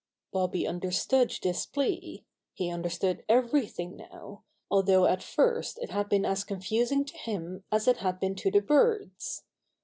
Bobby understood this plea. He under stood everything now, although at first it had been as confusing to him as it had been to the birds.